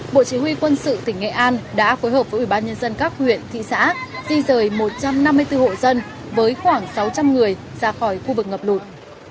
bộ chỉ huy quân sự tỉnh nghệ an đã phối hợp với ủy ban nhân dân các huyện thị xã di rời một trăm năm mươi bốn hộ dân với khoảng sáu trăm linh người ra khỏi khu vực ngập lụt